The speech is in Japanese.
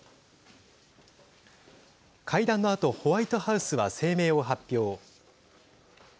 会談のあとホワイトハウスは声明を発表。